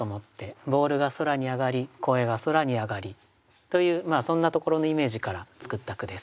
ボールが空に上がり声が空に上がりというそんなところのイメージから作った句です。